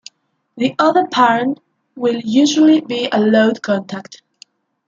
The other parent will usually be allowed contact.